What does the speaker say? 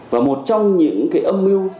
và một trong những cái âm mưu